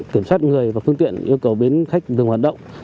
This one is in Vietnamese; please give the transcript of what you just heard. kiểm soát người và phương tiện yêu cầu bến khách ngừng hoạt động